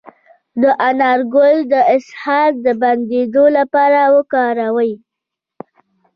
د انار ګل د اسهال د بندیدو لپاره وکاروئ